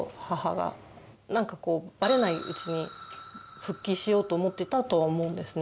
なんかこうバレないうちに復帰しようと思ってたと思うんですね。